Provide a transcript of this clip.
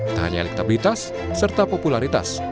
tak hanya elektabilitas serta popularitas